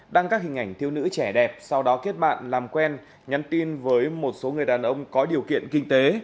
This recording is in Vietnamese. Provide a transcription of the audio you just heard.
đăng các hình ảnh thiêu nữ trẻ đẹp sau đó kết bạn làm quen nhắn tin với một số người đàn ông có điều kiện kinh tế